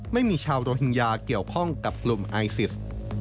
ไม่มีชาวโรฮิงญาเกี่ยวข้องกับกลุ่มไอซิส